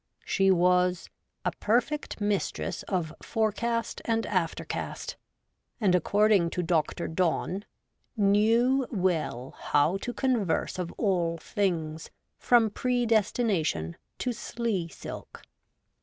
She was ' a per fect mistress of forecast and aftercast,' and, according to Doctor Donne, 'knew well how to converse of all things, from predestination to slea silk.'